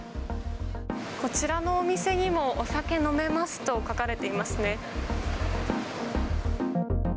こちらのお店にも、お酒飲めますと書かれていますね。